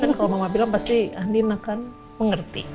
dan kalau mama bilang pasti andin akan mengerti